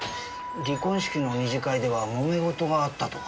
離婚式の二次会では揉め事があったとか。